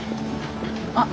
あっ！